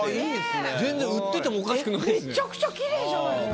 めっちゃくちゃきれいじゃないですか。